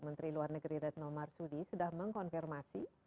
menteri luar negeri retno marsudi sudah mengkonfirmasi